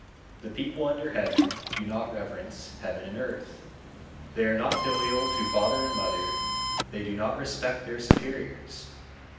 The people under heaven do not reverence Heaven and Earth, they are not filial to father and mother, they do not respect their superiors.